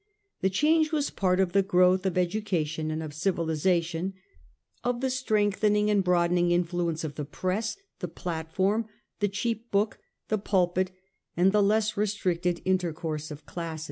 The change was part of the growth of education and of civilisation; of the strengthen ing and broadening influence of the press, the plat form, the cheap book, the pulpit, and the less re stricted intercourse of classes.